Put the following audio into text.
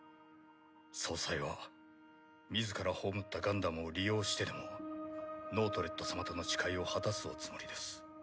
総裁は自ら葬ったガンダムを利用してでもノートレット様との誓いを果たすおつもりです。